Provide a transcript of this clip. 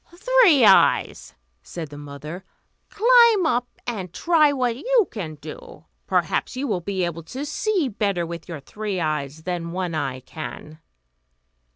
"Three Eyes," said the mother, "climb up, and try what you can do; perhaps you will be able to see better with your three eyes than One Eye can."